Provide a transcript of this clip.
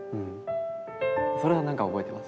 それはなんか覚えてます。